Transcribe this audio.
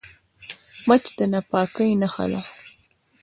مچ د ناپاکۍ نښه ده